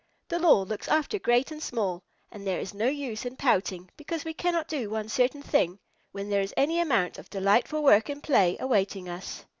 The law looks after great and small, and there is no use in pouting because we cannot do one certain thing, when there is any amount of delightful work and play awaiting us.